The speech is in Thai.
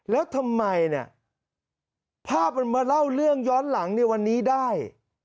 แล้วทำไมเนี่ยภาพมันมาเล่าเรื่องย้อนหลังในวันนี้ได้